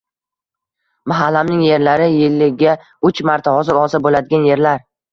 Mahallamning yerlari — yiliga uch marta hosil olsa bo‘ladigan yerlar.